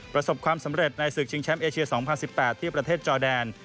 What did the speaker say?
ประสบความสำเร็จในศึกชิงแชมป์เอเชีย๒๐๑๘ที่ประเทศจอแดน